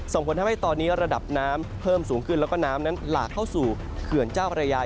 ส่งผลทำให้ตอนนี้ระดับน้ำเพิ่มสูงขึ้นแล้วก็น้ำนั้นหลากเข้าสู่เขื่อนเจ้าพระยา